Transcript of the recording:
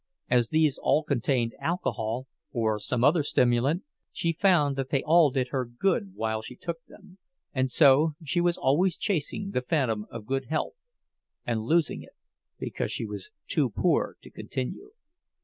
As these all contained alcohol, or some other stimulant, she found that they all did her good while she took them; and so she was always chasing the phantom of good health, and losing it because she was too poor to continue.